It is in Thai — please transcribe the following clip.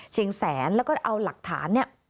แสนแล้วก็เอาหลักฐานเนี่ย